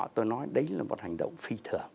tôi nói đấy là một hành động phi thường